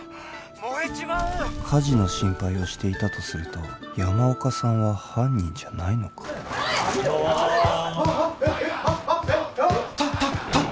燃えちまう火事の心配をしていたとすると山岡さんは犯人じゃないのかこんばんはーああええっ？